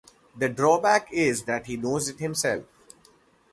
The drawback is that he knows it himself.